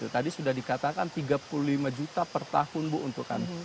tadi sudah dikatakan tiga puluh lima juta per tahun bu untuk kami